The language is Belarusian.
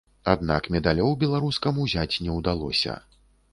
Аднак медалёў беларускам узяць не ўдалося.